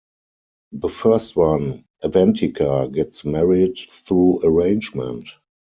The first one, Avantika, gets married through arrangement.